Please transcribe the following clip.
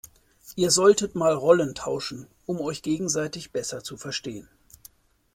Ihr solltet mal Rollen tauschen, um euch gegenseitig besser zu verstehen.